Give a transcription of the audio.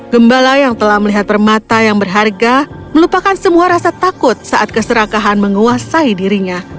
gembala yang telah melihat permata yang berharga melupakan semua rasa takut saat keserakahan menguasai dirinya